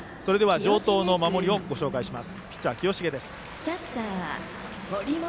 城東の守りを紹介します。